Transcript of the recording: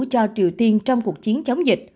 cho triều tiên trong cuộc chiến chống dịch